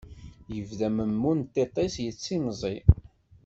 Yebda memmu n tiṭ-is yettimẓi.